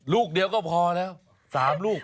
ลูกเดียวก็พอแล้ว๓ลูก